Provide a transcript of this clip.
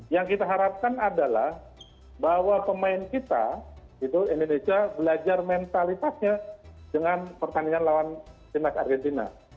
yang kita harapkan adalah bahwa pemain kita indonesia belajar mentalitasnya dengan pertandingan lawan timnas argentina